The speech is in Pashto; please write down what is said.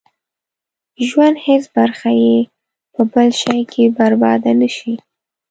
ژوند هېڅ برخه يې په بل شي کې برباده نه شي.